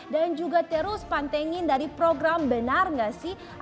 dan juga terus pantengin dari program benar gak sih